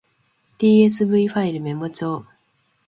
tsv ファイルメモ帳